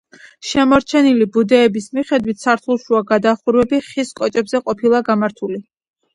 შემორჩენილი ბუდეების მიხედვით, სართულშუა გადახურვები ხის კოჭებზე ყოფილა გამართული.